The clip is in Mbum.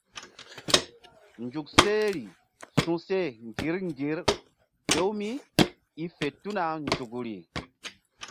Nzuk sehri su̧sel ŋgir ŋgir fe-u mí i fe tuna nzukri.